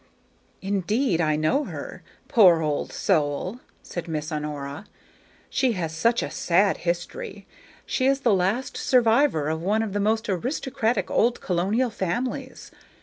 "Indeed, I know her, poor old soul!" said Miss Honora; "she has such a sad history. She is the last survivor of one of the most aristocratic old colonial families.